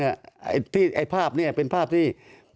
ไอ้ภาพนี้เป็นภาพที่